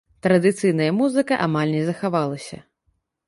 Традыцыйная музыка амаль не захавалася.